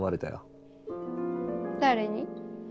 誰に？